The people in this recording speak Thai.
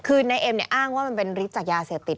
คือนายเอ็มเนี่ยอ้างว่ามันเป็นฤทธิ์จากยาเสพติด